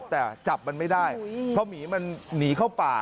แต่จับมันไม่ได้เพราะหมีมันหนีเข้าป่า